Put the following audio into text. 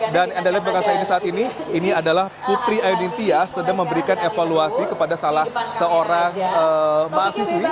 dan anda lihat bahwa saya saat ini ini adalah putri ayudin tia sedang memberikan evaluasi kepada salah seorang mahasiswi